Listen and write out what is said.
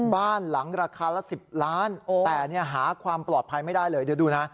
บ้านหลังราคาละ๑๐ล้านแต่หาความปลอดภัยไม่ได้เลยเดี๋ยวดูนะ